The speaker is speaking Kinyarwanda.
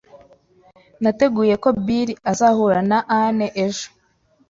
Nateguye ko Bill azahura na Ann ejo.